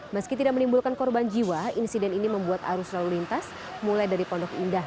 meski tidak menimbulkan korban jiwa insiden ini menyebabkan penyakit